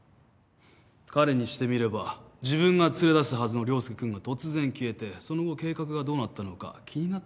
彼にしてみれば自分が連れ出すはずの椋介君が突然消えてその後計画がどうなったのか気になっていたんだ。